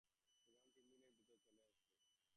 সোগান তিনদিনের ভিতর চলে আসবে।